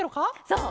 そう！